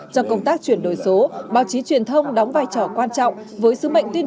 trong công tác chuyển đổi số báo chí truyền thông đóng vai trò quan trọng với sứ mệnh tuyên